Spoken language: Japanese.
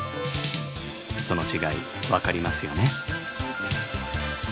その違い分かりますよね？